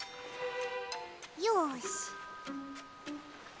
よし。